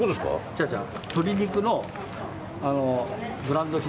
違う、鶏肉のブランド品。